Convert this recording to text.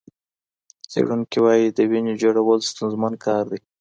څېړونکي وايي، د وینې جوړول ستونزمن کار دی.